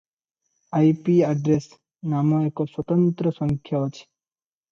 "IP address" ନାମ ଏକ ସ୍ୱତନ୍ତ୍ର ସଂଖ୍ୟା ଅଛି ।